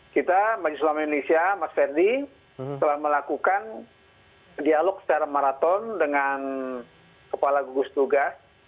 kita majelis selama indonesia mas fendi telah melakukan dialog secara maraton dengan kepala gugus tugas pak dona fendi dan pak fendi